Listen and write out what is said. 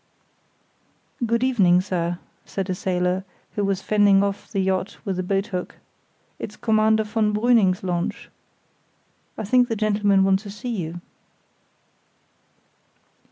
"Good evening, sir," said a sailor, who was fending off the yacht with a boathook. "It's Commander von Brüning's launch. I think the gentlemen want to see you."